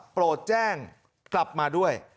โปรดแจ้งกลับมาด้วย